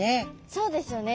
そうですよね。